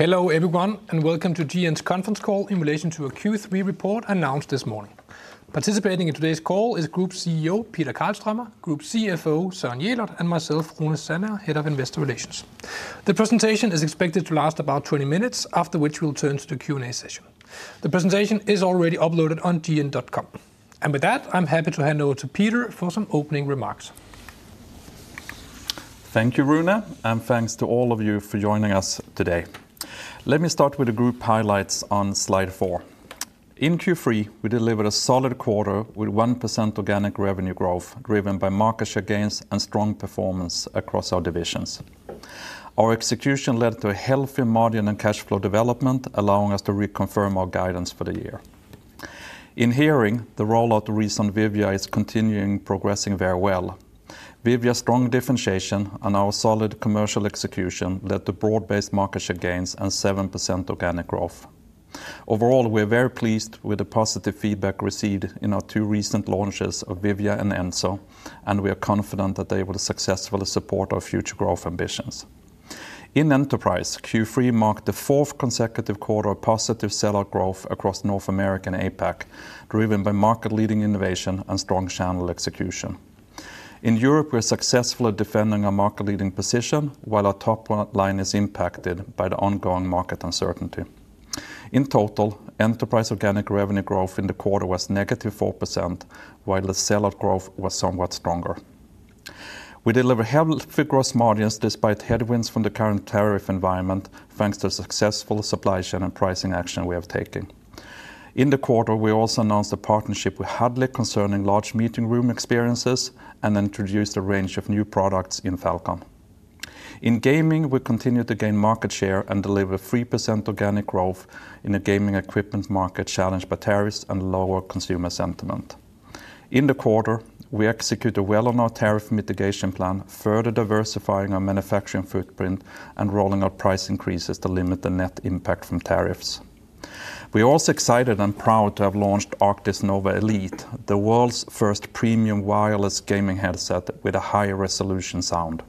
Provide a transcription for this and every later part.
Hello everyone, and welcome to GN's Conference Call in relation to a Q3 Report announced this morning. Participating in today's call is Group CEO Peter Karlströmer, Group CFO Søren Jelert, and myself, Rune Sandager, Head of Investor Relations. The presentation is expected to last about 20 minutes, after which we'll turn to the Q&A session. The presentation is already uploaded on gn.com. With that, I'm happy to hand over to Peter for some opening remarks. Thank you, Rune, and thanks to all of you for joining us today. Let me start with the group highlights on slide four. In Q3, we delivered a solid quarter with 1% organic revenue growth driven by market share gains and strong performance across our divisions. Our execution led to a healthy margin and cash flow development, allowing us to reconfirm our guidance for the year. In hearing, the rollout of recent Vivia is continuing and progressing very well. Vivia's strong differentiation and our solid commercial execution led to broad-based market share gains and 7% organic growth. Overall, we are very pleased with the positive feedback received in our two recent launches of Vivia and Enzo, and we are confident that they will successfully support our future growth ambitions. In enterprise, Q3 marked the 4th consecutive quarter of positive sell-in growth across North America and APAC, driven by market-leading innovation and strong channel execution. In Europe, we are successfully defending our market-leading position, while our top line is impacted by the ongoing market uncertainty. In total, enterprise organic revenue growth in the quarter was negative 4%, while the sell-in growth was somewhat stronger. We deliver healthy gross margins despite headwinds from the current tariff environment, thanks to successful supply chain and pricing action we are taking. In the quarter, we also announced a partnership with Huddly concerning large meeting room experiences and introduced a range of new products in Falcon. In gaming, we continue to gain market share and deliver 3% organic growth in the gaming equipment market, challenged by tariffs and lower consumer sentiment. In the quarter, we executed well on our tariff mitigation plan, further diversifying our manufacturing footprint and rolling out price increases to limit the net impact from tariffs. We are also excited and proud to have launched Arctis Nova Elite, the world's 1st premium wireless gaming headset with a high-resolution sound.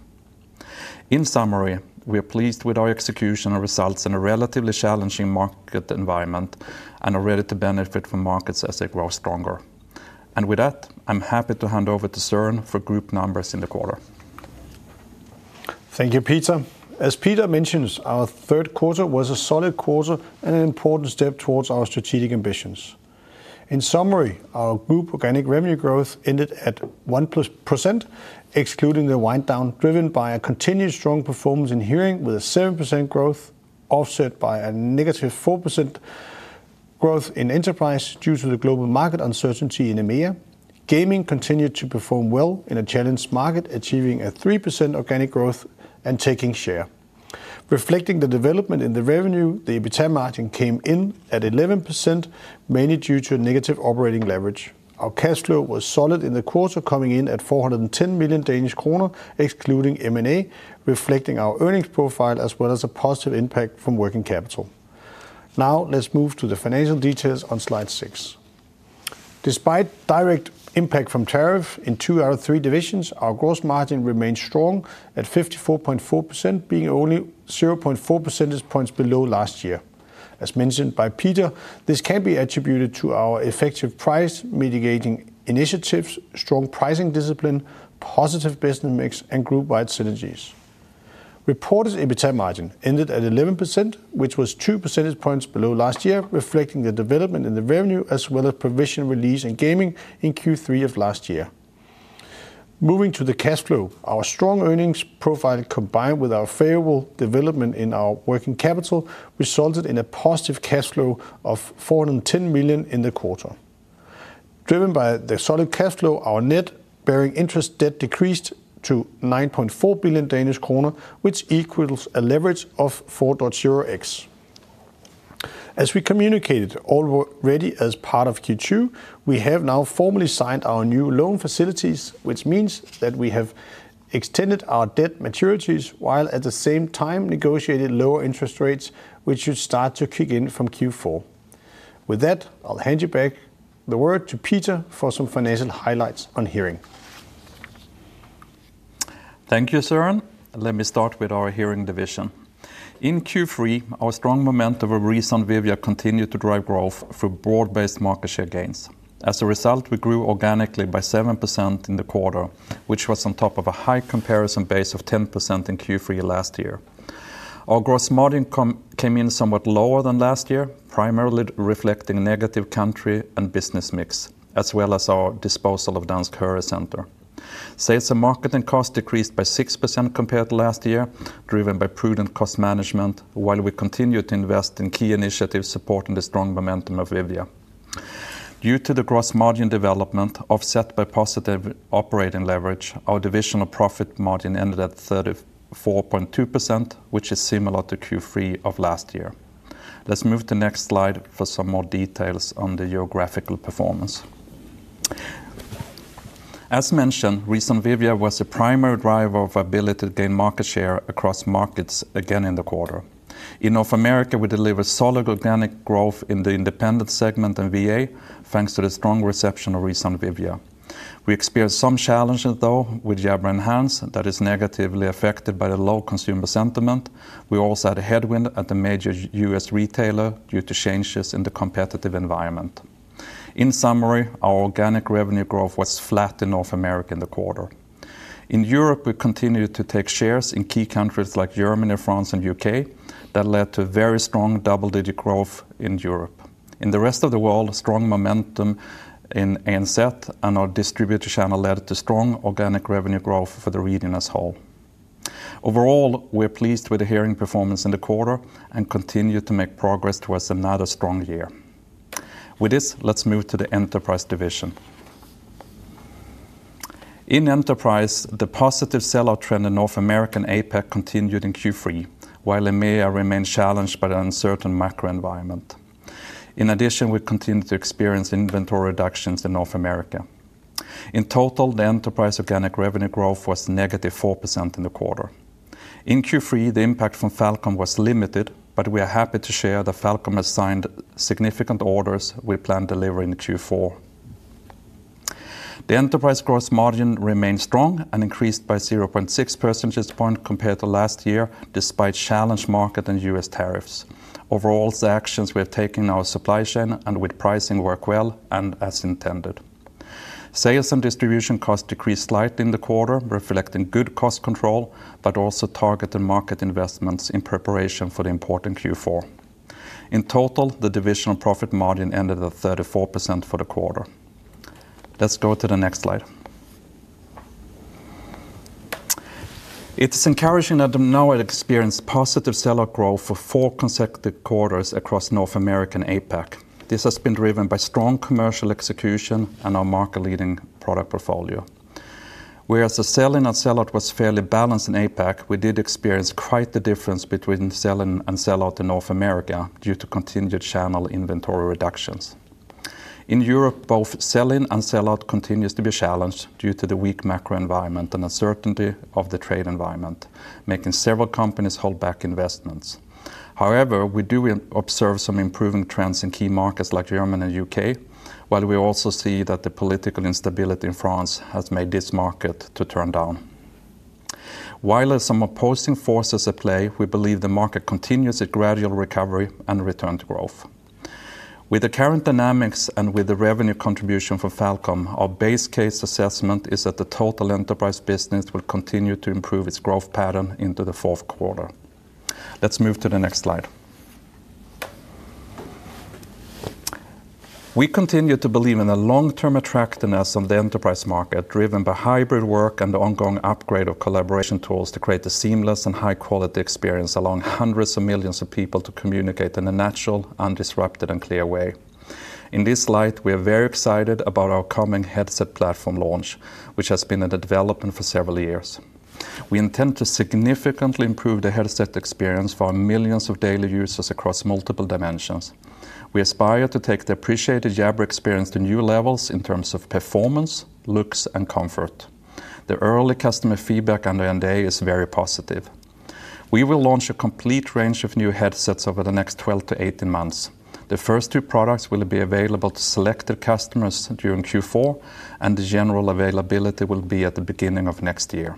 In summary, we are pleased with our execution and results in a relatively challenging market environment and are ready to benefit from markets as they grow stronger. With that, I'm happy to hand over to Søren for group numbers in the quarter. Thank you, Peter. As Peter mentioned, our third quarter was a solid quarter and an important step towards our strategic ambitions. In summary, our group organic revenue growth ended at 1%, excluding the wind-down driven by a continued strong performance in hearing with a 7% growth, offset by a negative 4%. Growth in enterprise due to the global market uncertainty in EMEA. Gaming continued to perform well in a challenged market, achieving a 3% organic growth and taking share. Reflecting the development in the revenue, the EBITDA margin came in at 11%, mainly due to negative operating leverage. Our cash flow was solid in the quarter, coming in at 410 million Danish kroner excluding M&A, reflecting our earnings profile as well as a positive impact from working capital. Now, let's move to the financial details on slide six. Despite direct impact from tariffs in two out of three divisions, our gross margin remained strong at 54.4%, being only 0.4 percentage points below last year. As mentioned by Peter, this can be attributed to our effective price mitigating initiatives, strong pricing discipline, positive business mix, and group-wide synergies. Reported EBITDA margin ended at 11%, which was 2 percentage points below last year, reflecting the development in the revenue as well as provision release in gaming in Q3 of last year. Moving to the cash flow, our strong earnings profile combined with our favorable development in our working capital resulted in a positive cash flow of 410 million in the quarter. Driven by the solid cash flow, our net bearing interest debt decreased to 9.4 billion Danish kroner, which equals a leverage of 4.0x. As we communicated already as part of Q2, we have now formally signed our new loan facilities, which means that we have extended our debt maturities while at the same time negotiated lower interest rates, which should start to kick in from Q4. With that, I'll hand you back the word to Peter for some financial highlights on hearing. Thank you, Søren. Let me start with our hearing division. In Q3, our strong momentum of a recent Vivia continued to drive growth through broad-based market share gains. As a result, we grew organically by 7% in the quarter, which was on top of a high comparison base of 10% in Q3 last year. Our gross margin came in somewhat lower than last year, primarily reflecting negative country and business mix, as well as our disposal of Danske Hørecenter. Sales and marketing costs decreased by 6% compared to last year, driven by prudent cost management, while we continued to invest in key initiatives supporting the strong momentum of Vivia. Due to the gross margin development offset by positive operating leverage, our divisional profit margin ended at 34.2%, which is similar to Q3 of last year. Let's move to the next slide for some more details on the geographical performance. As mentioned, recent Vivia was a primary driver of our ability to gain market share across markets again in the quarter. In North America, we delivered solid organic growth in the independent segment and VA, thanks to the strong reception of recent Vivia. We experienced some challenges, though, with Jabra Enhance that is negatively affected by the low consumer sentiment. We also had a headwind at the major U.S. retailer due to changes in the competitive environment. In summary, our organic revenue growth was flat in North America in the quarter. In Europe, we continued to take shares in key countries like Germany, France, and the U.K. that led to very strong double-digit growth in Europe. In the rest of the world, strong momentum in ANZ and our distributor channel led to strong organic revenue growth for the region as a whole. Overall, we are pleased with the hearing performance in the quarter and continue to make progress towards another strong year. With this, let's move to the enterprise division. In enterprise, the positive sell-in trend in North America and APAC continued in Q3, while EMEA remained challenged by the uncertain macro environment. In addition, we continued to experience inventory reductions in North America. In total, the enterprise organic revenue growth was -4% in the quarter. In Q3, the impact from Falcon was limited, but we are happy to share that Falcon has signed significant orders we plan to deliver in Q4. The enterprise gross margin remained strong and increased by 0.6 percentage points compared to last year, despite challenged market and U.S. tariffs. Overall, the actions we have taken in our supply chain and with pricing work well and as intended. Sales and distribution costs decreased slightly in the quarter, reflecting good cost control, but also targeted market investments in preparation for the important Q4. In total, the divisional profit margin ended at 34% for the quarter. Let's go to the next slide. It is encouraging that we now have experienced positive sell-in growth for four consecutive quarters across North America and APAC. This has been driven by strong commercial execution and our market-leading product portfolio. Whereas the sell-in and sellout was fairly balanced in APAC, we did experience quite the difference between sell-in and sellout in North America due to continued channel inventory reductions. In Europe, both sell-in and sellout continued to be challenged due to the weak macro environment and uncertainty of the trade environment, making several companies hold back investments. However, we do observe some improving trends in key markets like Germany and the U.K., while we also see that the political instability in France has made this market turn down. While there are some opposing forces at play, we believe the market continues a gradual recovery and return to growth. With the current dynamics and with the revenue contribution from Falcon, our base case assessment is that the total enterprise business will continue to improve its growth pattern into the 4th quarter. Let's move to the next slide. We continue to believe in the long-term attractiveness of the enterprise market, driven by hybrid work and the ongoing upgrade of collaboration tools to create a seamless and high-quality experience allowing hundreds of millions of people to communicate in a natural, undisrupted, and clear way. In this light, we are very excited about our coming headset platform launch, which has been in development for several years. We intend to significantly improve the headset experience for our millions of daily users across multiple dimensions. We aspire to take the appreciated Jabra experience to new levels in terms of performance, looks, and comfort. The early customer feedback and the end day is very positive. We will launch a complete range of new headsets over the next 12-18 months. The first two products will be available to selected customers during Q4, and the general availability will be at the beginning of next year.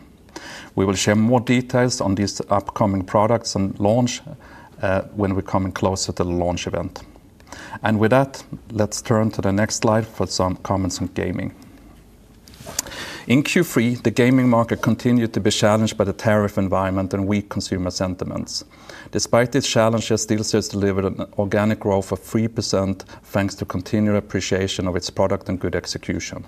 We will share more details on these upcoming products and launch. When we come closer to the launch event. And with that, let's turn to the next slide for some comments on gaming. In Q3, the gaming market continued to be challenged by the tariff environment and weak consumer sentiments. Despite these challenges, SteelSeries delivered an organic growth of 3% thanks to continued appreciation of its product and good execution.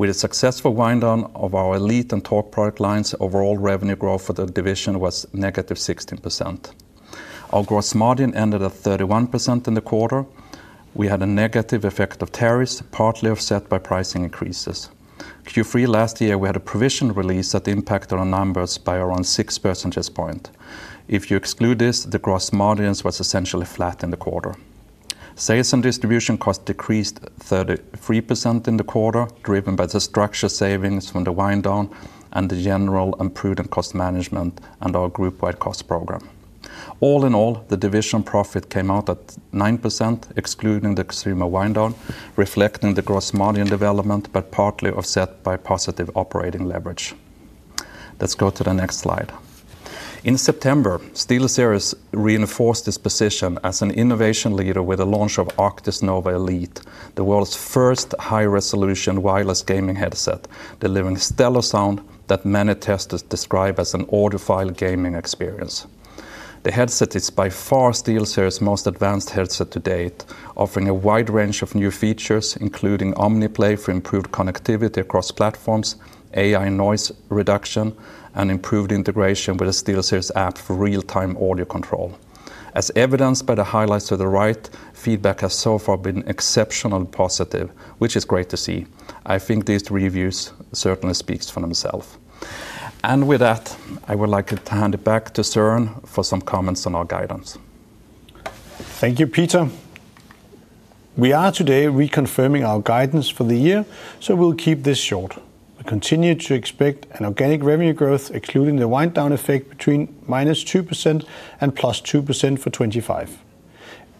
With a successful wind-down of our Elite and Talk product lines, overall revenue growth for the division was -16%. Our gross margin ended at 31% in the quarter. We had a negative effect of tariffs, partly offset by pricing increases. Q3 last year, we had a provision release that impacted our numbers by around 6 percentage points. If you exclude this, the gross margin was essentially flat in the quarter. Sales and distribution costs decreased 33% in the quarter, driven by the structure savings from the wind-down and the general and prudent cost management and our group-wide cost program. All in all, the division profit came out at 9%, excluding the consumer wind-down, reflecting the gross margin development, but partly offset by positive operating leverage. Let's go to the next slide. In September, SteelSeries reinforced its position as an innovation leader with the launch of Arctis Nova Elite, the world's 1st high-resolution wireless gaming headset, delivering stellar sound that many testers describe as an audiophile gaming experience. The headset is by far SteelSeries' most advanced headset to date, offering a wide range of new features, including OmniPlay for improved connectivity across platforms, AI noise reduction, and improved integration with the SteelSeries app for real-time audio control. As evidenced by the highlights to the right, feedback has so far been exceptionally positive, which is great to see. I think these reviews certainly speak for themselves. And with that, I would like to hand it back to Søren for some comments on our guidance. Thank you, Peter. We are today reconfirming our guidance for the year, so we'll keep this short. We continue to expect an organic revenue growth, excluding the wind-down effect between -2% and +2% for 2025.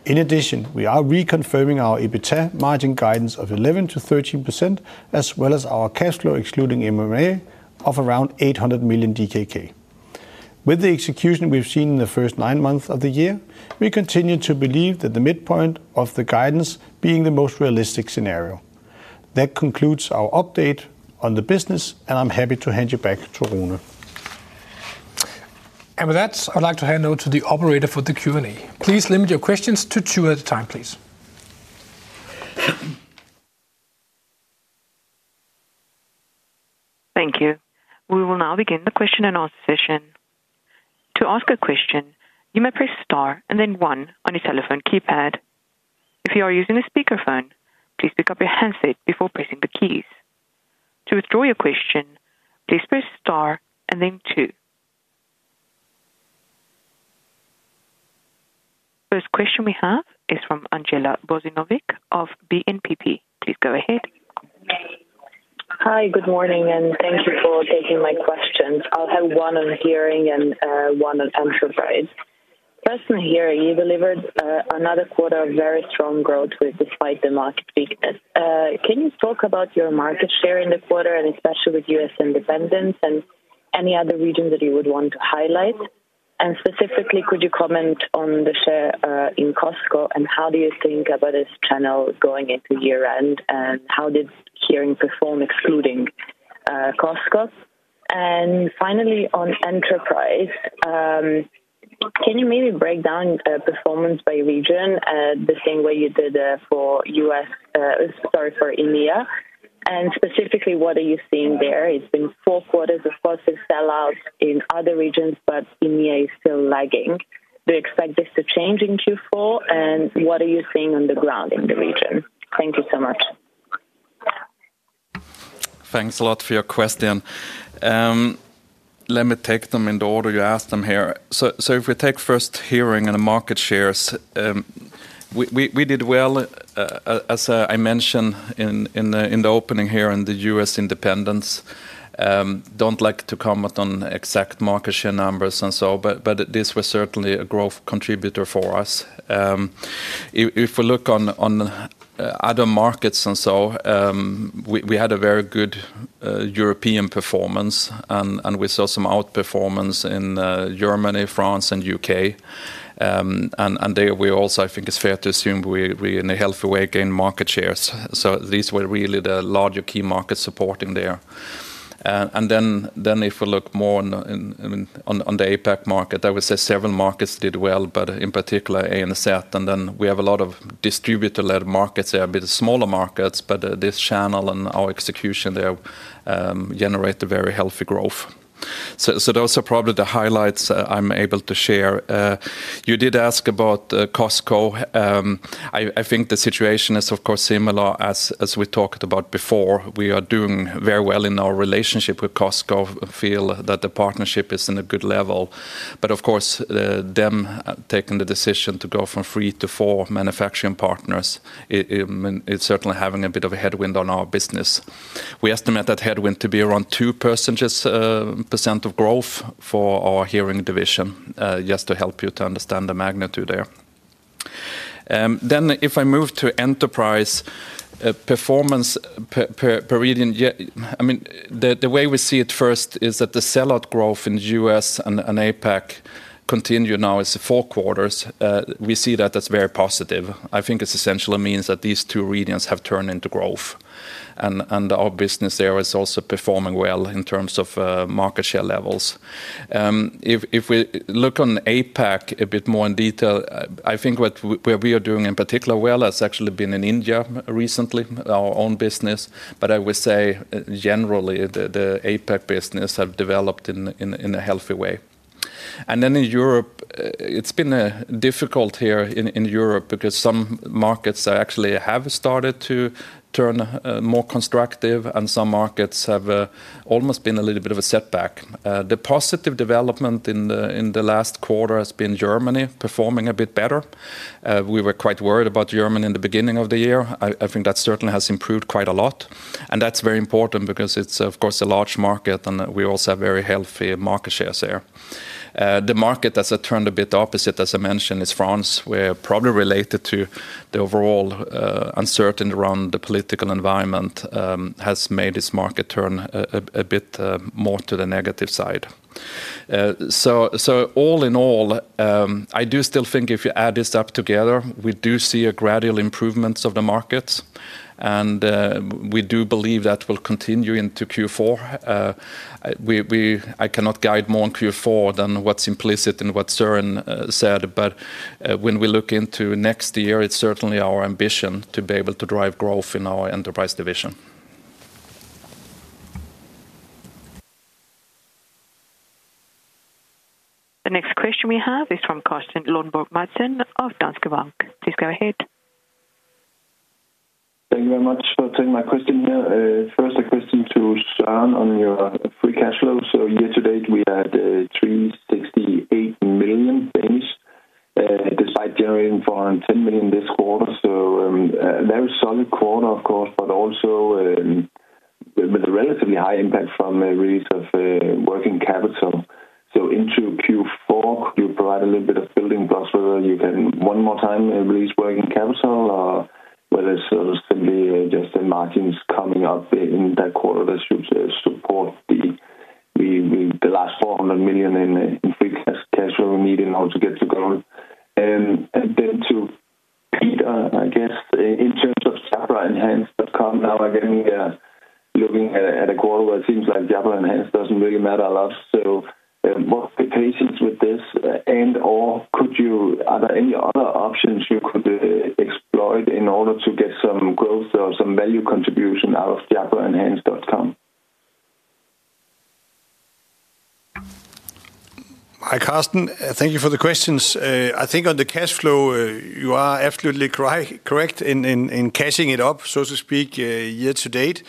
In addition, we are reconfirming our EBITDA margin guidance of 11%-13%, as well as our cash flow, excluding M&A, of around 800 million DKK. With the execution we've seen in the 1st nine months of the year, we continue to believe that the midpoint of the guidance being the most realistic scenario. That concludes our update on the business, and I'm happy to hand you back to Rune. And with that, I'd like to hand over to the operator for the Q&A. Please limit your questions to two at a time, please. Thank you. We will now begin the question and answer session. To ask a question, you may press star and then One on your telephone keypad. If you are using a speakerphone, please pick up your handset before pressing the keys. To withdraw your question, please press star and then Two. First question we have is from Angela Bozinovich of BNPP. Please go ahead. Hi, good morning, and thank you for taking my questions. I'll have one on hearing and one on enterprise. First in hearing, you delivered another quarter of very strong growth despite the market weakness. Can you talk about your market share in the quarter, and especially with U.S. independence and any other regions that you would want to highlight? And specifically, could you comment on the share in Costco, and how do you think about its channel going into year-end, and how did hearing perform, excluding. Costco? And finally, on enterprise. Can you maybe break down performance by region the same way you did for U.S., sorry, for EMEA? And specifically, what are you seeing there? It's been four quarters of positive sellout in other regions, but EMEA is still lagging. Do you expect this to change in Q4? And what are you seeing on the ground in the region? Thank you so much. Thanks a lot for your question. Let me take them in the order you asked them here. So if we take first hearing and the market shares. We did well. As I mentioned in the opening here, and the U.S. independence. Don't like to comment on exact market share numbers and so, but this was certainly a growth contributor for us. If we look on. Other markets and so, we had a very good. European performance, and we saw some outperformance in Germany, France, and the U.K.. And there we also, I think it's fair to assume we in a healthy way gained market shares. So these were really the larger key markets supporting there. And then if we look more. On the APAC market, I would say several markets did well, but in particular ANZ, and then we have a lot of distributor-led markets there, a bit smaller markets, but this channel and our execution there. Generated very healthy growth. So those are probably the highlights I'm able to share. You did ask about Costco. I think the situation is, of course, similar as we talked about before. We are doing very well in our relationship with Costco. Feel that the partnership is in a good level. But of course, them taking the decision to go from three to four manufacturing partners. It's certainly having a bit of a headwind on our business. We estimate that headwind to be around 2 percentage percent of growth for our hearing division, just to help you to understand the magnitude there. Then if I move to enterprise. Performance. Per region, I mean, the way we see it first is that the sellout growth in the U.S. and APAC continue now is four quarters. We see that that's very positive. I think it essentially means that these two regions have turned into growth. And our business there is also performing well in terms of market share levels. If we look on APAC a bit more in detail, I think what we are doing in particular well has actually been in India recently, our own business, but I would say generally the APAC business have developed in a healthy way. And then in Europe, it's been difficult here in Europe because some markets actually have started to turn more constructive, and some markets have almost been a little bit of a setback. The positive development in the last quarter has been Germany performing a bit better. We were quite worried about Germany in the beginning of the year. I think that certainly has improved quite a lot. And that's very important because it's, of course, a large market, and we also have very healthy market shares there. The market that's turned a bit opposite, as I mentioned, is France, where probably related to the overall uncertainty around the political environment has made this market turn a bit more to the negative side. So all in all, I do still think if you add this up together, we do see a gradual improvement of the markets. And we do believe that will continue into Q4. I cannot guide more on Q4 than what's implicit in what Søren said, but when we look into next year, it's certainly our ambition to be able to drive growth in our enterprise division. The next question we have is from Carsten Lønborg Madsen of Danske Bank. Please go ahead. Thank you very much for taking my question here. First, a question to Søren on your free cash flow. So year to date, we had 368 million. Despite generating 410 million this quarter. So a very solid quarter, of course, but also. With a relatively high impact from the release of working capital. So into Q4, could you provide a little bit of building blocks whether you can one more time release working capital, or whether it's simply just the margins coming up in that quarter that should support the. Last 400 million in free cash flow we need in order to get to goal. And then to Peter, I guess, in terms of jabraenhance.com, now I'm getting looking at a quarter where it seems like Jabra Enhance doesn't really matter a lot. So what's the patience with this? And/or could you, are there any other options you could exploit in order to get some growth or some value contribution out of jabraenhance.com? Hi Carsten, thank you for the questions. I think on the cash flow, you are absolutely correct in catching it up, so to speak, year to date.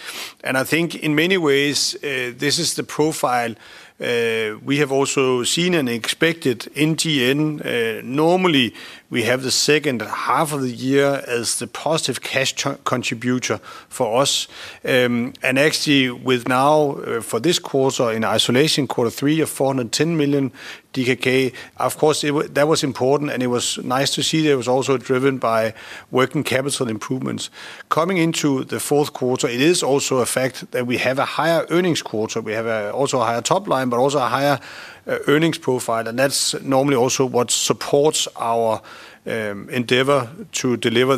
And I think in many ways, this is the profile. We have also seen and expected NTN. Normally, we have the 2nd half of the year as the positive cash contributor for us. And actually, with now for this quarter in isolation, quarter three of 410 million DKK, of course, that was important, and it was nice to see that it was also driven by working capital improvements. Coming into the 4th quarter, it is also a fact that we have a higher earnings quarter. We have also a higher top line, but also a higher earnings profile. And that's normally also what supports our. Endeavor to deliver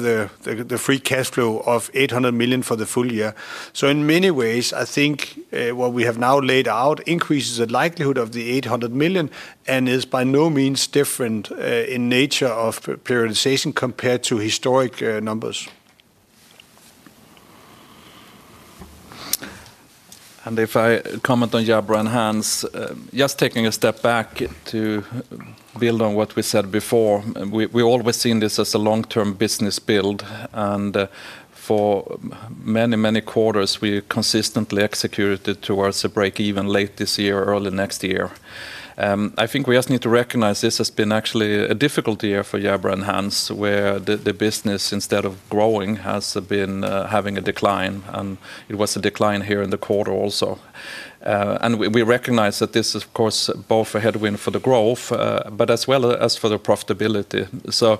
the free cash flow of 800 million for the full year. So in many ways, I think what we have now laid out increases the likelihood of the 800 million, and is by no means different in nature of periodization compared to historic numbers. And if I comment on Jabra Enhance, just taking a step back to. Build on what we said before, we've always seen this as a long-term business build. And for. Many, many quarters, we consistently executed towards a break-even late this year, early next year. I think we just need to recognize this has been actually a difficult year for Jabra Enhance, where the business, instead of growing, has been having a decline. And it was a decline here in the quarter also. And we recognize that this is, of course, both a headwind for the growth, but as well as for the profitability. So.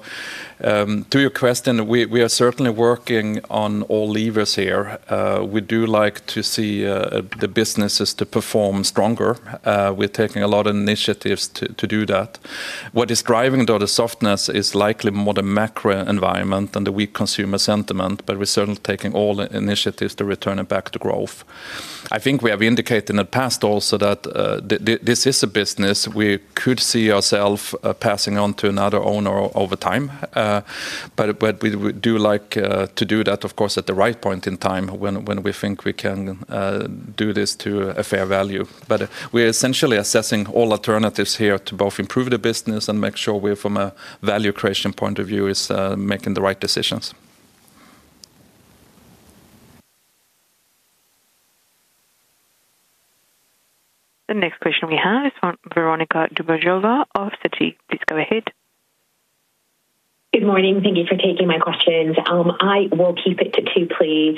To your question, we are certainly working on all levers here. We do like to see the businesses to perform stronger. We're taking a lot of initiatives to do that. What is driving the softness is likely more the macro environment and the weak consumer sentiment, but we're certainly taking all initiatives to return it back to growth. I think we have indicated in the past also that. This is a business we could see ourselves passing on to another owner over time. But we do like to do that, of course, at the right point in time when we think we can do this to a fair value. But we're essentially assessing all alternatives here to both improve the business and make sure we, from a value creation point of view, are making the right decisions. The next question we have is from Veronika Dubajova of Citi. Please go ahead. Good morning. Thank you for taking my questions. I will keep it to two, please.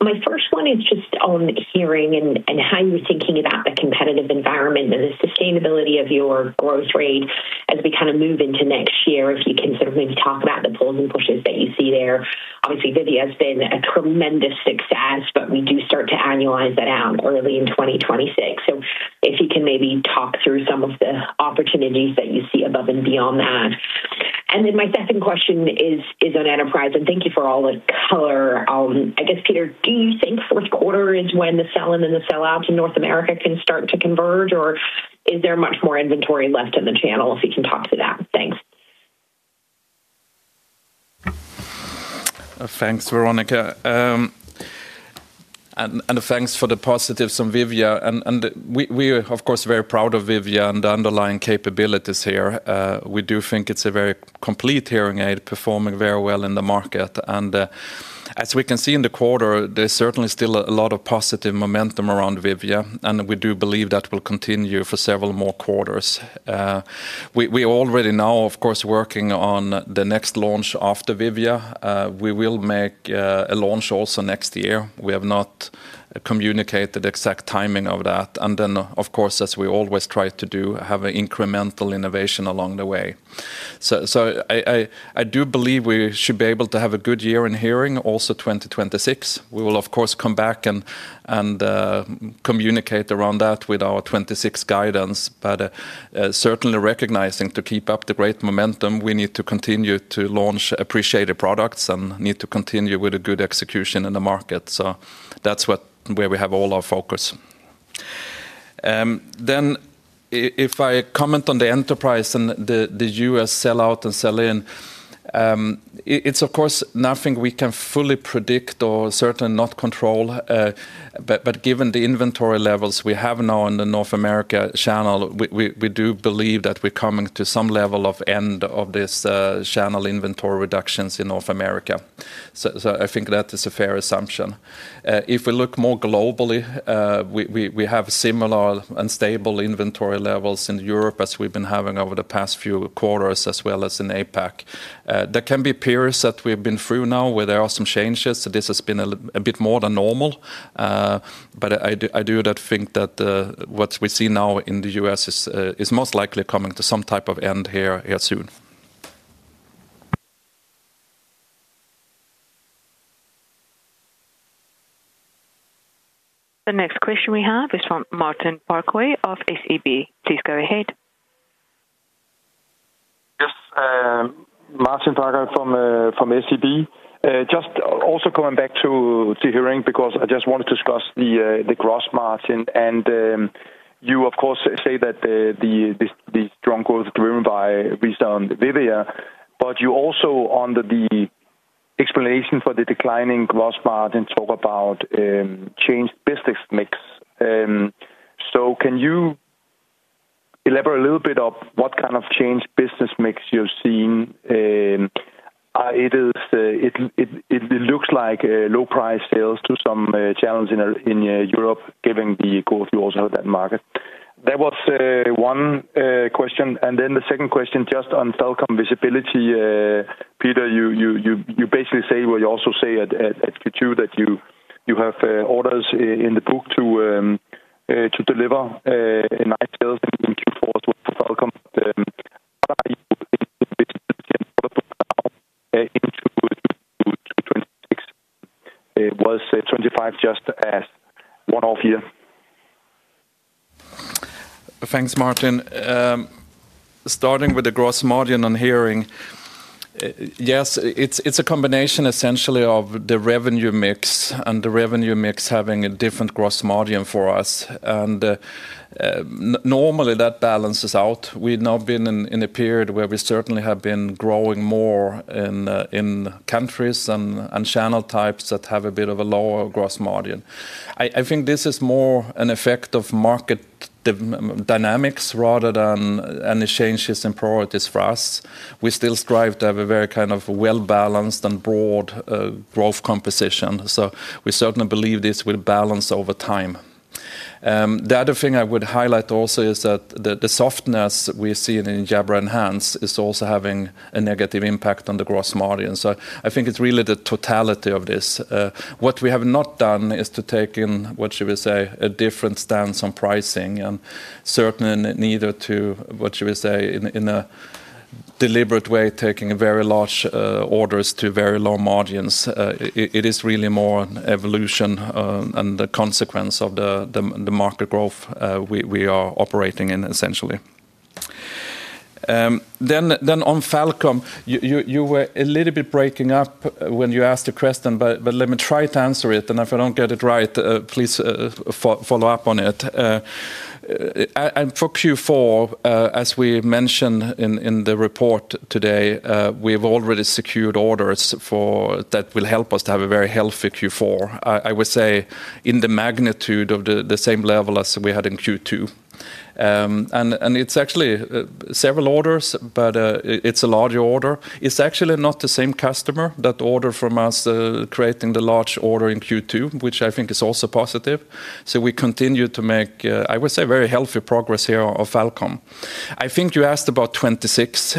My first one is just on hearing and how you're thinking about the competitive environment and the sustainability of your growth rate as we kind of move into next year, if you can sort of maybe talk about the pulls and pushes that you see there. Obviously, Vivia has been a tremendous success, but we do start to annualize that out early in 2026. So if you can maybe talk through some of the opportunities that you see above and beyond that. And then my second question is on enterprise. And thank you for all the color. I guess, Peter, do you think fourth quarter is when the sell-in and the sell-out in North America can start to converge, or is there much more inventory left in the channel if we can talk to that? Thanks. Thanks, Veronika. And thanks for the positives on Vivia. And we are, of course, very proud of Vivia and the underlying capabilities here. We do think it's a very complete hearing aid, performing very well in the market. And as we can see in the quarter, there's certainly still a lot of positive momentum around Vivia. And we do believe that will continue for several more quarters. We are already now, of course, working on the next launch after Vivia. We will make a launch also next year. We have not communicated the exact timing of that. And then, of course, as we always try to do, have an incremental innovation along the way. So. I do believe we should be able to have a good year in hearing, also 2026. We will, of course, come back and. Communicate around that with our 2026 guidance. But certainly recognizing to keep up the great momentum, we need to continue to launch appreciated products and need to continue with a good execution in the market. So that's where we have all our focus. Then if I comment on the enterprise and the U.S. sell-out and sell-in. It's, of course, nothing we can fully predict or certainly not control. But given the inventory levels we have now in the North America channel, we do believe that we're coming to some level of end of this channel inventory reductions in North America. So I think that is a fair assumption. If we look more globally, we have similar and stable inventory levels in Europe as we've been having over the past few quarters, as well as in APAC. There can be periods that we've been through now where there are some changes. So this has been a bit more than normal. But I do think that what we see now in the U.S. is most likely coming to some type of end here soon. The next question we have is from Martin Parkhøi of SEB. Please go ahead. Yes. Martin Parkhøi from SEB. Just also coming back to hearing because I just wanted to discuss the gross margin. And. You, of course, say that. The strong growth driven by Vivia, but you also on the. Explanation for the declining gross margin talk about. Changed business mix. So can you. Elaborate a little bit of what kind of changed business mix you're seeing? It looks like low price sales to some channels in Europe, given the growth you also have that market. That was one question. And then the second question just on telecom visibility. Peter, you basically say, well, you also say at Q2 that you have orders in the book to. Deliver nice sales in Q4 as well for telecom. What are you thinking of the business you can put into. 2026? Was 2025 just as one-off year? Thanks, Martin. Starting with the gross margin on hearing. Yes, it's a combination essentially of the revenue mix and the revenue mix having a different gross margin for us. And. Normally that balances out. We've now been in a period where we certainly have been growing more in. Countries and channel types that have a bit of a lower gross margin. I think this is more an effect of market. Dynamics rather than any changes in priorities for us. We still strive to have a very kind of well-balanced and broad growth composition. So we certainly believe this will balance over time. The other thing I would highlight also is that the softness we're seeing in Jabra Enhance is also having a negative impact on the gross margin. So I think it's really the totality of this. What we have not done is to take in, what should we say, a different stance on pricing. And certainly neither to, what should we say, in a deliberate way, taking very large orders to very low margins. It is really more an evolution and the consequence of the market growth we are operating in essentially. Then on Falcon, you were a little bit breaking up when you asked the question, but let me try to answer it. And if I don't get it right, please follow up on it. And for Q4, as we mentioned in the report today, we've already secured orders that will help us to have a very healthy Q4. I would say in the magnitude of the same level as we had in Q2. And it's actually several orders, but it's a larger order. It's actually not the same customer that ordered from us creating the large order in Q2, which I think is also positive. So we continue to make, I would say, very healthy progress here of Falcon. I think you asked about 2026.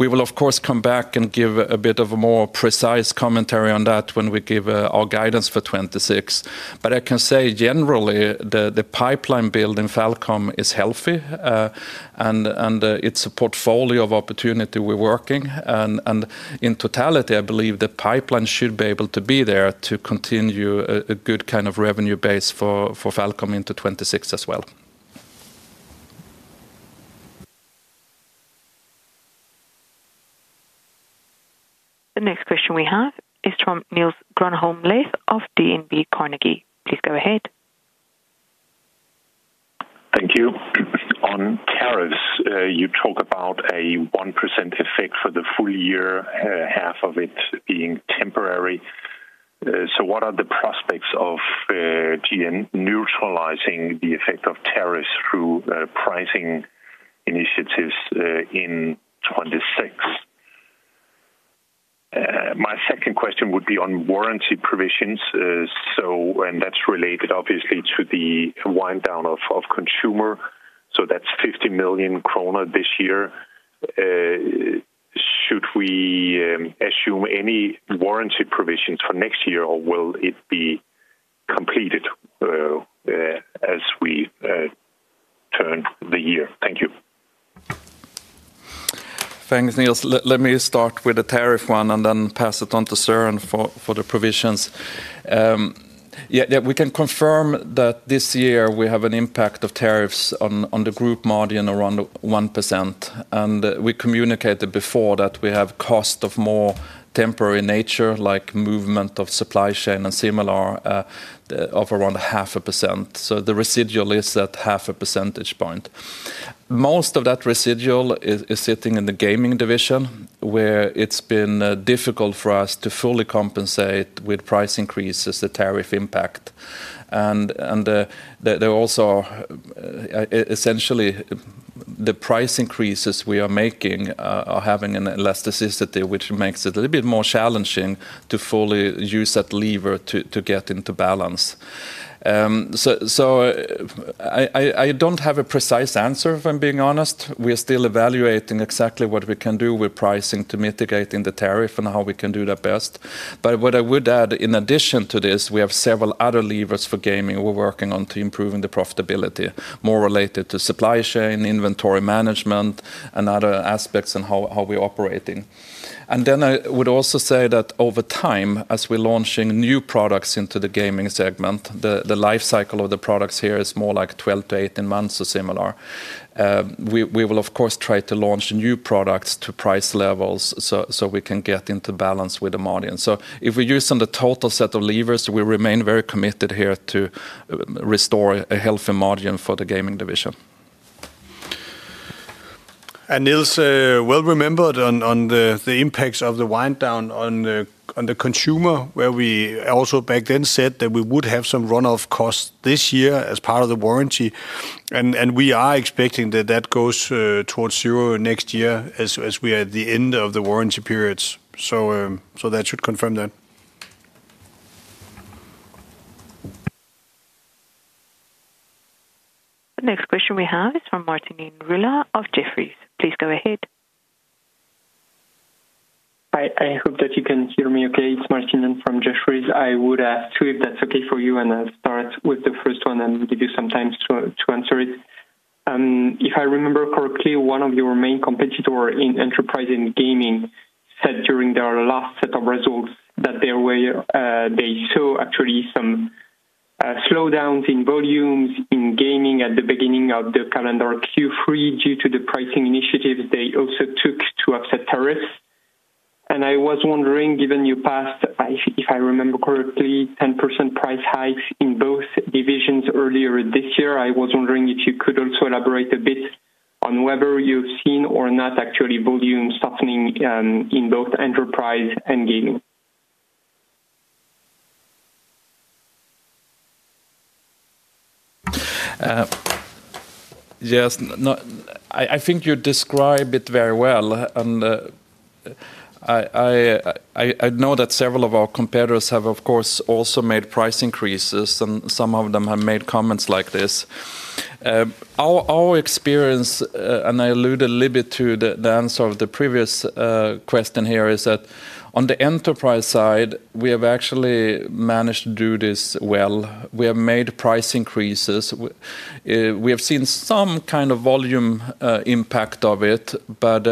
We will, of course, come back and give a bit of a more precise commentary on that when we give our guidance for 2026. But I can say generally the pipeline build in Falcon is healthy. And it's a portfolio of opportunity we're working. And in totality, I believe the pipeline should be able to be there to continue a good kind of revenue base for Falcon into 2026 as well. The next question we have is from Niels Granholm-Leth of DNB Carnegie. Please go ahead. Thank you. On tariffs, you talk about a 1% effect for the full year, half of it being temporary. So what are the prospects of. Neutralizing the effect of tariffs through pricing initiatives in 2026? My second question would be on warranty provisions. And that's related obviously to the wind down of consumer. So that's 50 million kroner this year. Should we. Assume any warranty provisions for next year, or will it be completed. As we. Turn the year? Thank you. Thanks, Niels. Let me start with the tariff one and then pass it on to Søren for the provisions. Yeah, we can confirm that this year we have an impact of tariffs on the group margin around 1%. And we communicated before that we have cost of more temporary nature, like movement of supply chain and similar. Of around half a percent. So the residual is at half a percentage point. Most of that residual is sitting in the gaming division, where it's been difficult for us to fully compensate with price increases, the tariff impact. And. There also. Essentially. The price increases we are making are having an elasticity, which makes it a little bit more challenging to fully use that lever to get into balance. So. I don't have a precise answer, if I'm being honest. We're still evaluating exactly what we can do with pricing to mitigate the tariff and how we can do that best. But what I would add, in addition to this, we have several other levers for gaming we're working on to improving the profitability, more related to supply chain, inventory management, and other aspects and how we're operating. And then I would also say that over time, as we're launching new products into the gaming segment, the life cycle of the products here is more like 12-18 months or similar. We will, of course, try to launch new products to price levels so we can get into balance with the margin. So if we use on the total set of levers, we remain very committed here to. Restore a healthy margin for the gaming division. And Niels, well remembered on the impacts of the wind down on the consumer, where we also back then said that we would have some run-off costs this year as part of the warranty. And we are expecting that that goes towards zero next year as we are at the end of the warranty period. So that should confirm that. The next question we have is from Martinien Rula of Jefferies. Please go ahead. Hi, I hope that you can hear me okay. It's Martinine from Jefferies. I would ask you if that's okay for you, and I'll start with the first one and give you some time to answer it. If I remember correctly, one of your main competitors in enterprise in gaming said during their last set of results that. They saw actually some. Slowdowns in volumes in gaming at the beginning of the calendar Q3 due to the pricing initiatives they also took to offset tariffs. And I was wondering, given you passed, if I remember correctly, 10% price hikes in both divisions earlier this year, I was wondering if you could also elaborate a bit on whether you've seen or not actually volume softening in both enterprise and gaming. Yes. I think you described it very well. And. I know that several of our competitors have, of course, also made price increases, and some of them have made comments like this. Our experience, and I alluded a little bit to the answer of the previous question here, is that on the enterprise side, we have actually managed to do this well. We have made price increases. We have seen some kind of volume impact of it, but.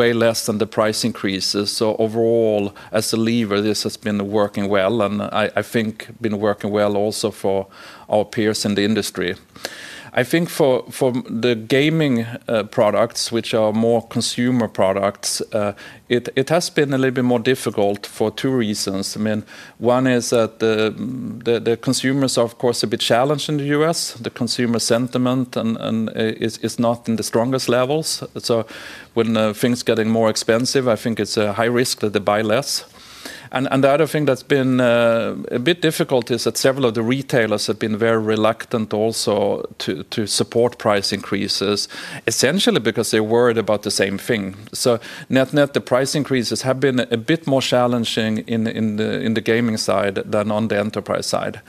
Way less than the price increases. So overall, as a lever, this has been working well. And I think been working well also for our peers in the industry. I think for the gaming products, which are more consumer products. It has been a little bit more difficult for two reasons. I mean, one is that. The consumers are, of course, a bit challenged in the U.S.. The consumer sentiment is not in the strongest levels. So when things are getting more expensive, I think it's a high risk that they buy less. And the other thing that's been a bit difficult is that several of the retailers have been very reluctant also to support price increases, essentially because they're worried about the same thing. So net-net, the price increases have been a bit more challenging in the gaming side than on the enterprise side.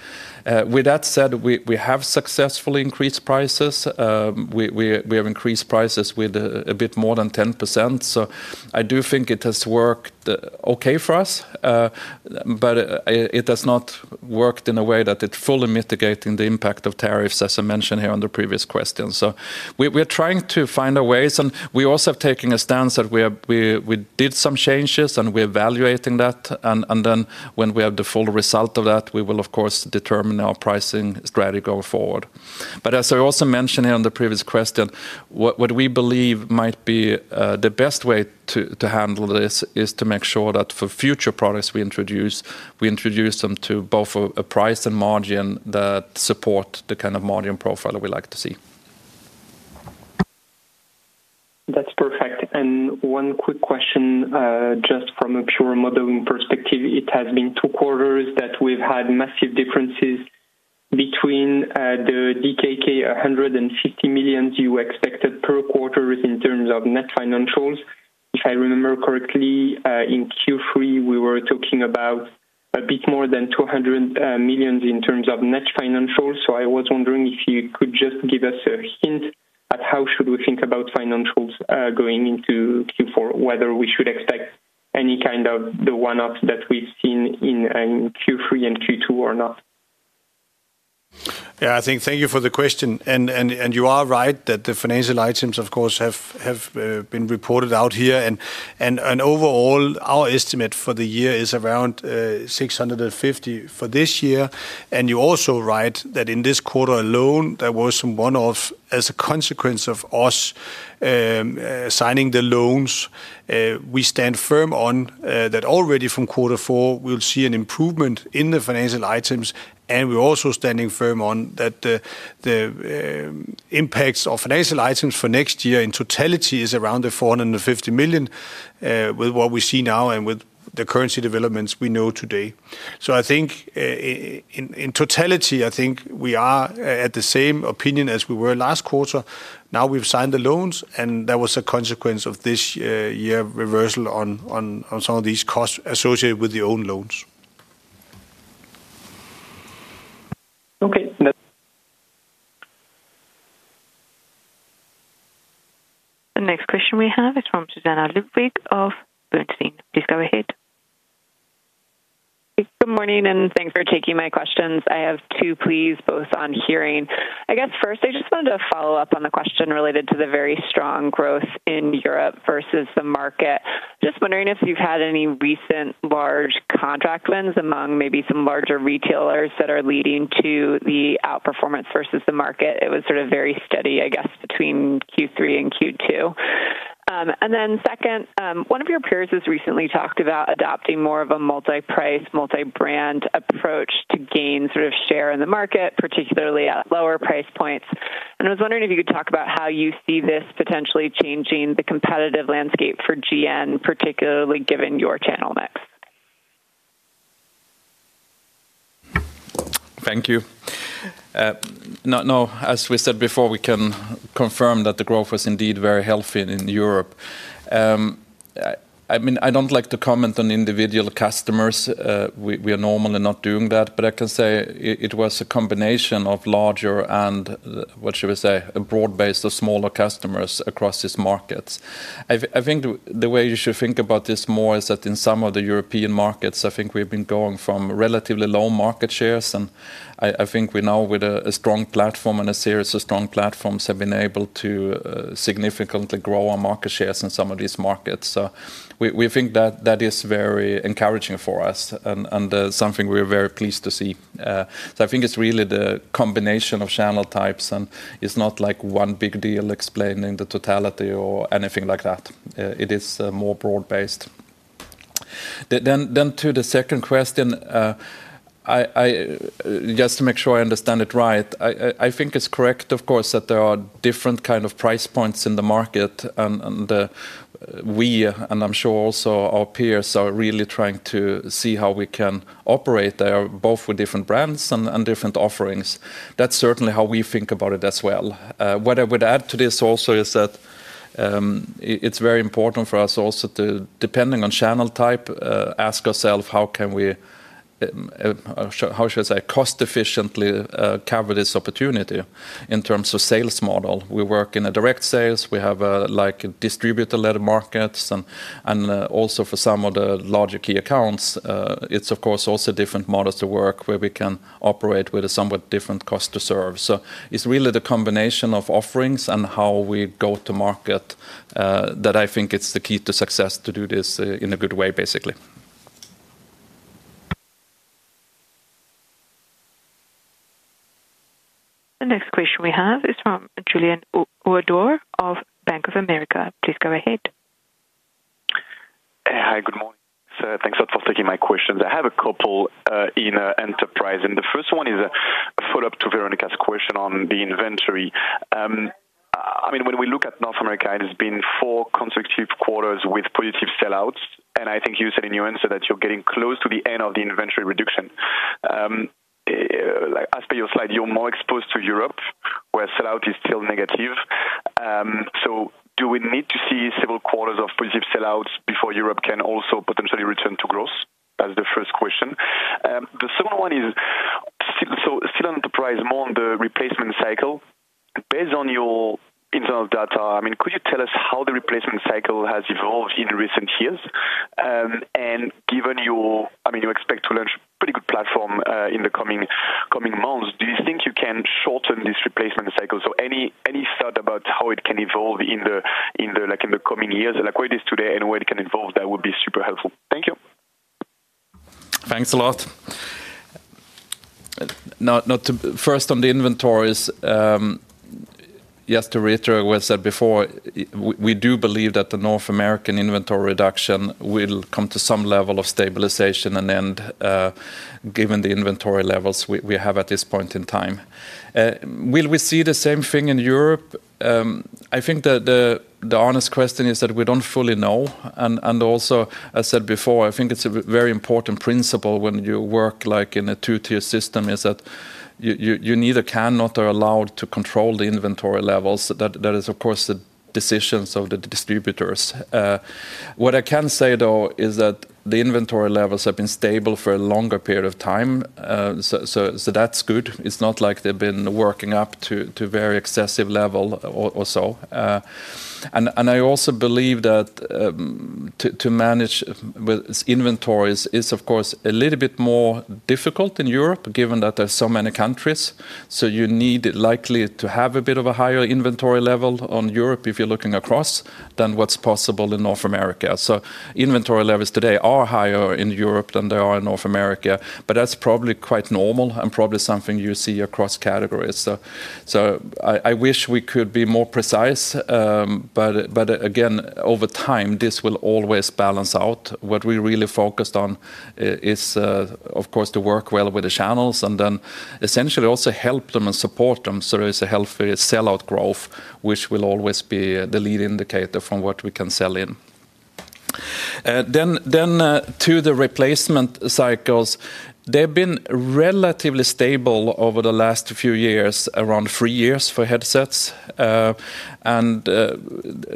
With that said, we have successfully increased prices. We have increased prices with a bit more than 10%. So I do think it has worked okay for us. But it has not worked in a way that it's fully mitigating the impact of tariffs, as I mentioned here on the previous question. So we're trying to find our ways. And we also have taken a stance that we did some changes, and we're evaluating that. And then when we have the full result of that, we will, of course, determine our pricing strategy going forward. But as I also mentioned here on the previous question, what we believe might be the best way to handle this is to make sure that for future products we introduce, we introduce them to both a price and margin that support the kind of margin profile we like to see. That's perfect. And one quick question just from a pure modeling perspective. It has been two quarters that we've had massive differences between. The DKK 150 million you expected per quarter in terms of net financials. If I remember correctly, in Q3, we were talking about. A bit more than 200 million in terms of net financials. So I was wondering if you could just give us a hint at how should we think about financials going into Q4, whether we should expect any kind of the one-off that we've seen in Q3 and Q2 or not. Yeah, I think thank you for the question. And you are right that the financial items, of course, have been reported out here. And overall, our estimate for the year is around 650 for this year. And you also write that in this quarter alone, there was some one-off as a consequence of us. Signing the loans. We stand firm on that already from Quarter four, we'll see an improvement in the financial items. And we're also standing firm on that the. Impacts of financial items for next year in totality is around the 450 million. With what we see now and with the currency developments we know today. So I think. In totality, I think we are at the same opinion as we were last quarter. Now we've signed the loans, and that was a consequence of this year reversal on some of these costs associated with the own loans. Okay. The next question we have is from Susanna Ludwig of Bernstein. Please go ahead. Good morning and thanks for taking my questions. I have two pleas both on hearing. I guess first, I just wanted to follow up on the question related to the very strong growth in Europe versus the market. Just wondering if you've had any recent large contract wins among maybe some larger retailers that are leading to the outperformance versus the market. It was sort of very steady, I guess, between Q3 and Q2. And then second, one of your peers has recently talked about adopting more of a multi-price, multi-brand approach to gain sort of share in the market, particularly at lower price points. And I was wondering if you could talk about how you see this potentially changing the competitive landscape for GN, particularly given your channel mix. Thank you. No, as we said before, we can confirm that the growth was indeed very healthy in Europe. I mean, I don't like to comment on individual customers. We are normally not doing that. But I can say it was a combination of larger and, what should I say, a broad base of smaller customers across these markets. I think the way you should think about this more is that in some of the European markets, I think we've been going from relatively low market shares. And I think we now, with a strong platform and a series of strong platforms, have been able to significantly grow our market shares in some of these markets. So we think that that is very encouraging for us and something we are very pleased to see. So I think it's really the combination of channel types. And it's not like one big deal explaining the totality or anything like that. It is more broad based. Then to the second question. Just to make sure I understand it right, I think it's correct, of course, that there are different kinds of price points in the market. And. We, and I'm sure also our peers, are really trying to see how we can operate there both with different brands and different offerings. That's certainly how we think about it as well. What I would add to this also is that. It's very important for us also to, depending on channel type, ask ourselves how can we. How should I say, cost-efficiently cover this opportunity in terms of sales model. We work in a direct sales. We have distributor-led markets. And also for some of the larger key accounts, it's, of course, also different models to work where we can operate with a somewhat different cost to serve. So it's really the combination of offerings and how we go to market. That I think it's the key to success to do this in a good way, basically. The next question we have is from Julien Ouaddour of Bank of America. Please go ahead. Hi, good morning. Thanks a lot for taking my questions. I have a couple in enterprise. And the first one is a follow-up to Veronika's question on the inventory. I mean, when we look at North America, it has been four consecutive quarters with positive sellouts. And I think you said in your answer that you're getting close to the end of the inventory reduction. As per your slide, you're more exposed to Europe, where sellout is still negative. So do we need to see several quarters of positive sellouts before Europe can also potentially return to growth? That's the first question. The second one is. So still enterprise, more on the replacement cycle. Based on your internal data, I mean, could you tell us how the replacement cycle has evolved in recent years? And given your, I mean, you expect to launch a pretty good platform in the coming. Months, do you think you can shorten this replacement cycle? So any thought about how it can evolve in the. Coming years, like where it is today and where it can evolve, that would be super helpful. Thank you. Thanks a lot. First, on the inventories. Yes, to reiterate what I said before, we do believe that the North American inventory reduction will come to some level of stabilization and end. Given the inventory levels we have at this point in time. Will we see the same thing in Europe? I think the honest question is that we don't fully know. And also, as I said before, I think it's a very important principle when you work in a two-tier system is that. You neither cannot or are allowed to control the inventory levels. That is, of course, the decisions of the distributors. What I can say, though, is that the inventory levels have been stable for a longer period of time. So that's good. It's not like they've been working up to a very excessive level or so. And I also believe that. To manage. Inventories is, of course, a little bit more difficult in Europe, given that there are so many countries. So you need likely to have a bit of a higher inventory level on Europe if you're looking across than what's possible in North America. So inventory levels today are higher in Europe than they are in North America. But that's probably quite normal and probably something you see across categories. So I wish we could be more precise. But again, over time, this will always balance out. What we really focused on. Is, of course, to work well with the channels and then essentially also help them and support them so there is a healthy sellout growth, which will always be the lead indicator from what we can sell in. Then to the replacement cycles, they've been relatively stable over the last few years, around three years for headsets. And.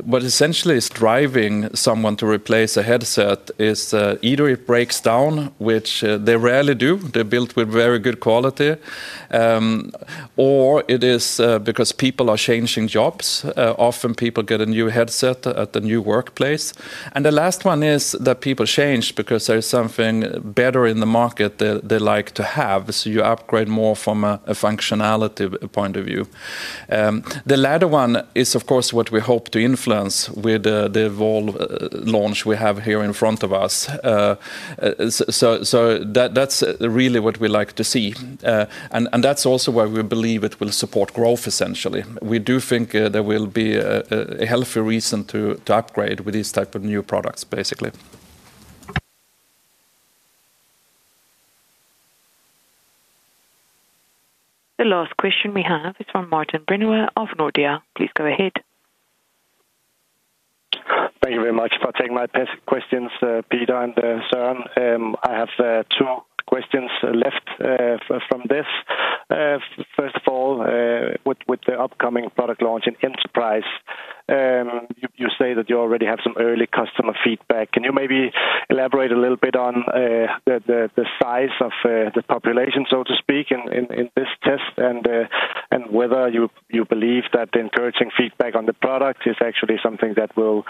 What essentially is driving someone to replace a headset is either it breaks down, which they rarely do. They're built with very good quality. Or it is because people are changing jobs. Often people get a new headset at the new workplace. And the last one is that people change because there is something better in the market they like to have. So you upgrade more from a functionality point of view. The latter one is, of course, what we hope to influence with the evolved launch we have here in front of us. So that's really what we like to see. And that's also why we believe it will support growth, essentially. We do think there will be a healthy reason to upgrade with these types of new products, basically. The last question we have is from Martin Brenøe of Nordea. Please go ahead. Thank you very much for taking my questions, Peter and Søren. I have two questions left from this. First of all. With the upcoming product launch in enterprise. You say that you already have some early customer feedback. Can you maybe elaborate a little bit on. The size of the population, so to speak, in this test and. Whether you believe that the encouraging feedback on the product is actually something that will.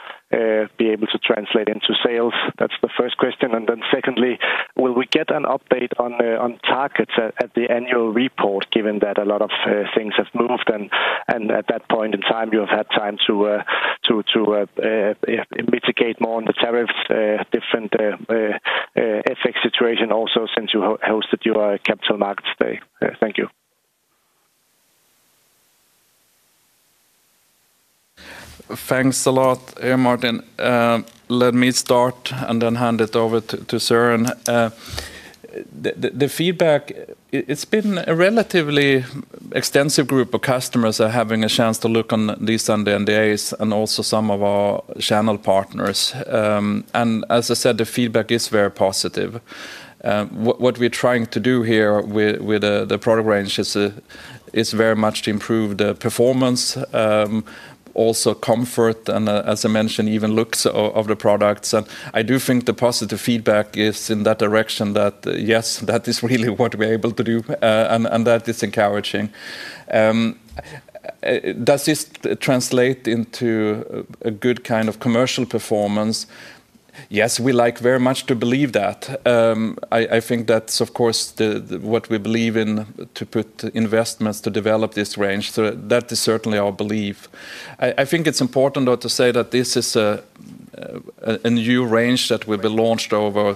Be able to translate into sales? That's the first question. And then secondly, will we get an update on targets at the annual report, given that a lot of things have moved? And at that point in time, you have had time to. Mitigate more on the tariffs, different. Ethics situation also since you hosted your Capital Markets Day. Thank you. Thanks a lot, Martin. Let me start and then hand it over to Søren. The feedback, it's been a relatively extensive group of customers having a chance to look on these Sunday NDAs and also some of our channel partners. And as I said, the feedback is very positive. What we're trying to do here with the product range is. Very much to improve the performance. Also comfort and, as I mentioned, even looks of the products. And I do think the positive feedback is in that direction that, yes, that is really what we're able to do. And that is encouraging. Does this translate into a good kind of commercial performance? Yes, we like very much to believe that. I think that's, of course, what we believe in to put investments to develop this range. So that is certainly our belief. I think it's important, though, to say that this is. A new range that will be launched over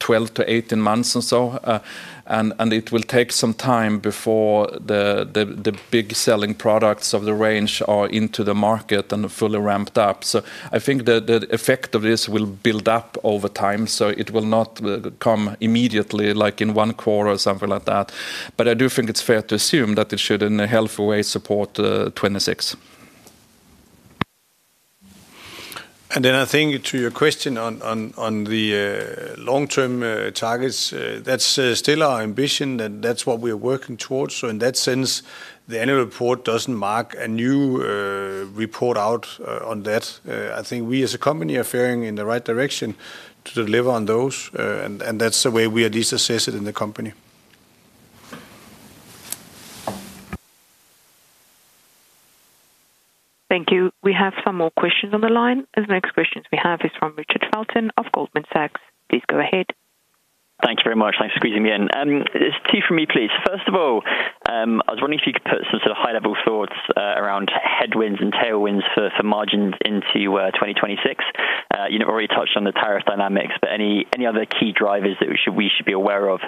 12-18 months or so. And it will take some time before. The big sell-in products of the range are into the market and fully ramped up. So I think the effect of this will build up over time. So it will not come immediately, like in one quarter or something like that. But I do think it's fair to assume that it should, in a healthy way, support 2026. And then I think to your question on the. Long-term targets, that's still our ambition and that's what we are working towards. So in that sense, the annual report doesn't mark a new. Report out on that. I think we, as a company, are faring in the right direction to deliver on those. And that's the way we at least assess it in the company. Thank you. We have some more questions on the line. The next question we have is from Richard Felton of Goldman Sachs. Please go ahead. Thank you very much. Thanks for squeezing me in. Tea for me, please. First of all. I was wondering if you could put some sort of high-level thoughts around headwinds and tailwinds for margins into 2026. You already touched on the tariff dynamics, but any other key drivers that we should be aware of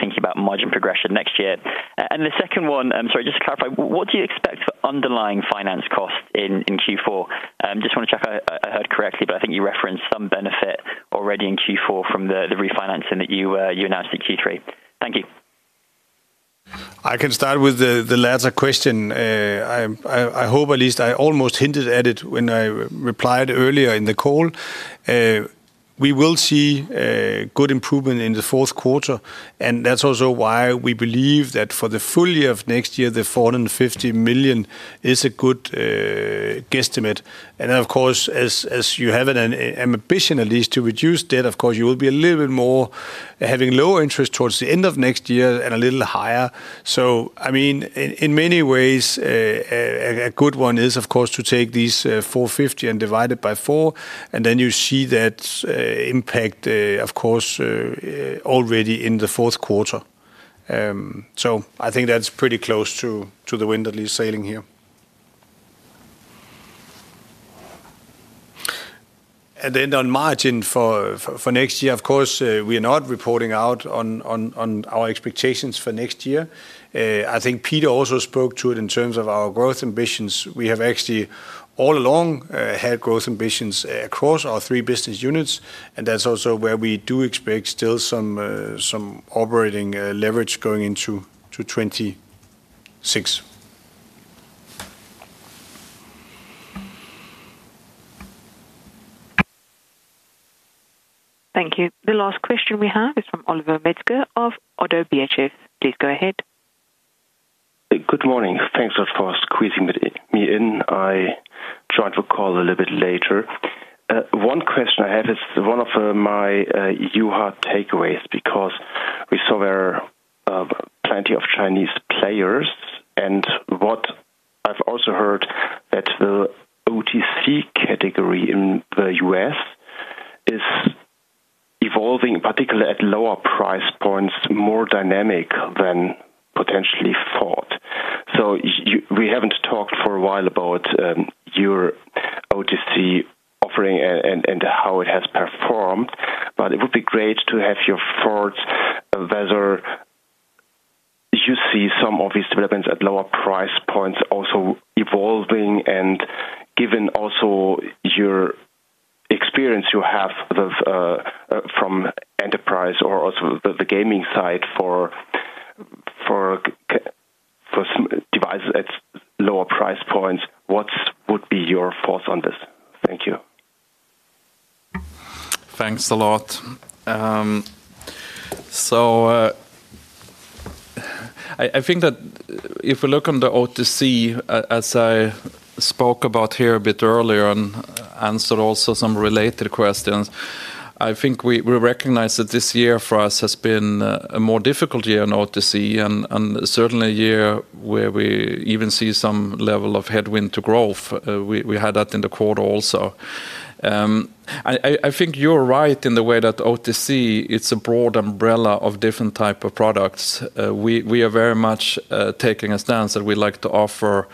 thinking about margin progression next year? And the second one, sorry, just to clarify, what do you expect for underlying finance costs in Q4? Just want to check I heard correctly, but I think you referenced some benefit already in Q4 from the refinancing that you announced in Q3. Thank you. I can start with the latter question. I hope at least I almost hinted at it when I replied earlier in the call. We will see good improvement in the 4th quarter. And that's also why we believe that for the full year of next year, the 450 million is a good. Guesstimate. And then, of course, as you have an ambition at least to reduce debt, of course, you will be a little bit more having lower interest towards the end of next year and a little higher. So, I mean, in many ways. A good one is, of course, to take these 450 and divide it by four. And then you see that. Impact, of course. Already in the 4th quarter. So I think that's pretty close to the wind at least sailing here. And then on margin for next year, of course, we are not reporting out on our expectations for next year. I think Peter also spoke to it in terms of our growth ambitions. We have actually all along had growth ambitions across our three business units. And that's also where we do expect still some. Operating leverage going into. 2026. Thank you. The last question we have is from Oliver Metzger of Oddo BHF. Please go ahead. Good morning. Thanks for squeezing me in. I joined the call a little bit later. One question I have is one of my EUHA takeaways because we saw there. Plenty of Chinese players. And what I've also heard that the OTC category in the U.S. Is. Evolving, particularly at lower price points, more dynamic than potentially thought. So we haven't talked for a while about. Your OTC offering and how it has performed. But it would be great to have your thoughts on whether. You see some of these developments at lower price points also evolving. And given also your experience you have from. Enterprise or the gaming side for. Devices at lower price points, what would be your thoughts on this? Thank you. Thanks a lot. So. I think that if we look on the OTC, as I spoke about here a bit earlier and answered also some related questions, I think we recognize that this year for us has been a more difficult year in OTC and certainly a year where we even see some level of headwind to growth. We had that in the quarter also. I think you're right in the way that OTC, it's a broad umbrella of different types of products. We are very much taking a stance that we'd like to offer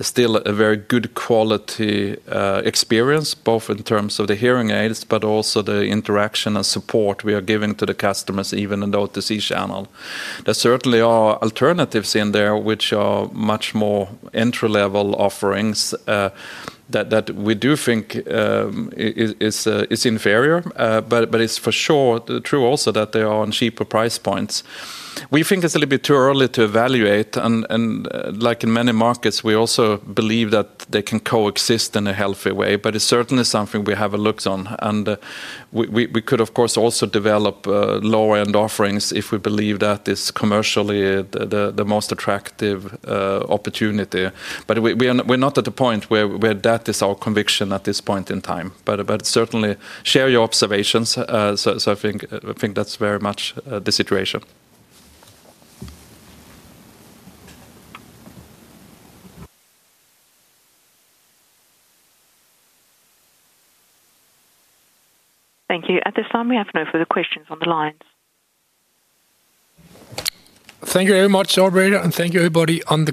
still a very good quality experience, both in terms of the hearing aids, but also the interaction and support we are giving to the customers, even in the OTC channel. There certainly are alternatives in there, which are much more entry-level offerings. That we do think. Is inferior, but it's for sure true also that they are on cheaper price points. We think it's a little bit too early to evaluate. And like in many markets, we also believe that they can coexist in a healthy way. But it's certainly something we have a look on. And. We could, of course, also develop lower-end offerings if we believe that is commercially the most attractive opportunity. But we're not at a point where that is our conviction at this point in time. But certainly share your observations. So I think that's very much the situation. Thank you. At this time, we have no further questions on the lines. Thank you very much, Operator. And thank you, everybody, on the.